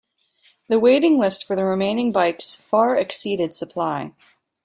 The waiting list for the remaining bikes far exceeded supply.